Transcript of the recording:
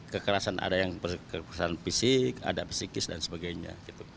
kekerasan ada yang kekerasan fisik ada psikis dan sebagainya